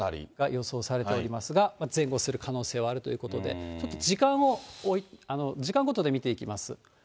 予想されていますが、前後する可能性はあるということで、ちょっと時間ごとで見ていきます。